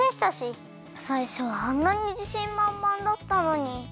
さいしょはあんなにじしんまんまんだったのに。